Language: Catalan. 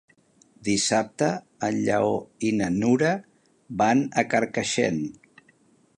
Dissabte en Lleó i na Nura van a Carcaixent.